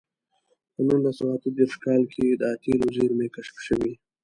په نولس سوه اته دېرش کال کې د تېلو زېرمې کشف شوې.